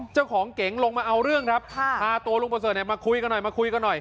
เจ้าของเก๋งลงมาเอาเรื่องครับพาตัวลุงประเสริฐมาคุยกันหน่อยมาคุยกันหน่อย